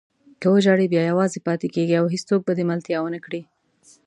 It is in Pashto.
که وژاړې بیا یوازې پاتې کېږې او هېڅوک به دې ملتیا ونه کړي.